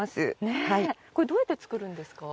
これ、どうやって作るんですか？